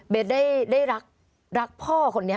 เวทย์ได้รักพ่อคนนี้